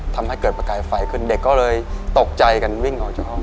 ทำให้เกิดประกายไฟขึ้นเด็กก็เลยตกใจกันวิ่งออกจากห้อง